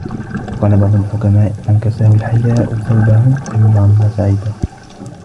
وَقَالَ بَعْضُ الْحُكَمَاءِ مَنْ كَسَاهُ الْحَيَاءُ ثَوْبَهُ لَمْ يَرَ النَّاسُ عَيْبَهُ